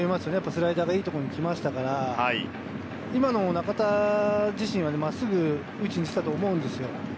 スライダーがいいところに来ましたから、今の中田自身は真っすぐを打ちにいってたと思うんですよ。